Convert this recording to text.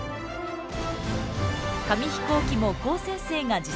紙飛行機も高専生が自作。